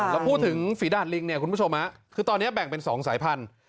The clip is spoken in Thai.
แล้วพูดถึงฝีดาดลิงเนี่ยคุณผู้ชมคือตอนนี้แบ่งเป็น๒สายพันธุ